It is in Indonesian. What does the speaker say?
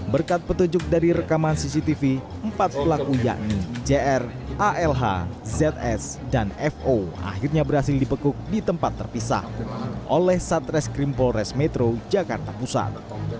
berkat petunjuk dari rekaman cctv empat pelaku yakni jr alh zs dan fo akhirnya berhasil dibekuk di tempat terpisah oleh satreskrim polres metro jakarta pusat